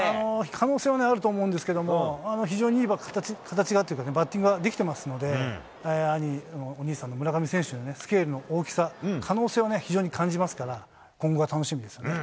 可能性はあると思うんですけど、非常にいい形がっていうか、バッティングができてますので、お兄さんの村上選手のスケールの大きさ、可能性を非常に感じますから、今後が楽しみです。